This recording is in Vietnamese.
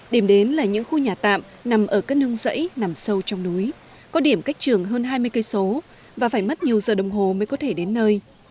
điểm đến là những khu nhà tạm nằm ở các nương rẫy nằm sâu trong núi có điểm cách trường hơn hai mươi km và phải mất nhiều giờ đồng hồ mới có thể đến nơi